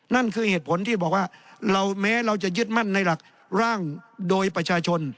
นั่นคือเหตุผลที่บอกว่าเราแม้เราจะยึดมั่นในหลักร่างโดยประชาชน